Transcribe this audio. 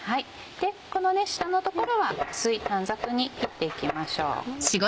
この下の所は薄い短冊に切っていきましょう。